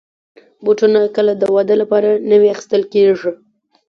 بوټونه کله د واده لپاره نوي اخیستل کېږي.